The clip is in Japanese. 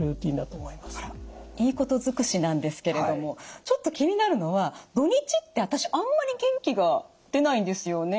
いいこと尽くしなんですけれどもちょっと気になるのは土日って私あんまり元気が出ないんですよね。